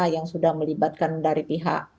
yang sudah melibatkan dari pihak